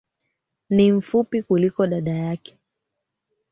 Ni mfupi kuliko dadake